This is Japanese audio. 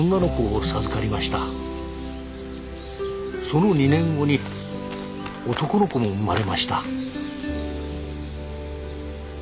その２年後に男の子も生まれました。